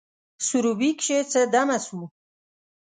سروبي کښي څه دمه سوو